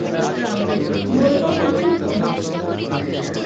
বলব কী করতুম?